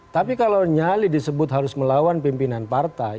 tapi kalau nyali disebut harus melawan pimpinan partai